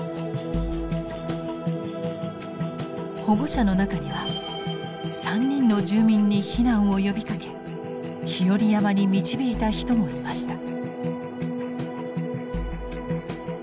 保護者の中には３人の住民に避難を呼びかけ日和山に導いた人もいました。